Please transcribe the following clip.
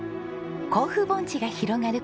甲府盆地が広がる